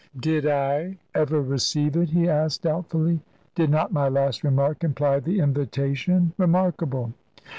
"Did I ever receive it?" he asked doubtfully. "Did not my last remark imply the invitation. Remarkable!"